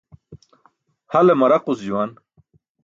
Hale maraquc juwan.